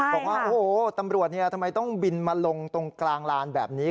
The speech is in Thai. บอกว่าโอ้โหตำรวจทำไมต้องบินมาลงตรงกลางลานแบบนี้